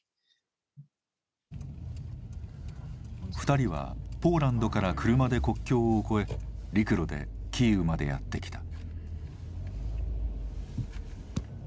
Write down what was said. ２人はポーランドから車で国境を越え陸路でキーウまでやってきた。